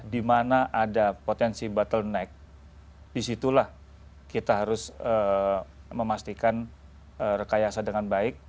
di mana ada potensi bottleneck disitulah kita harus memastikan rekayasa dengan baik